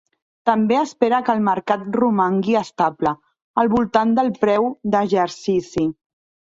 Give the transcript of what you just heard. També espera que el mercat romangui estable, al voltant del preu d'exercici.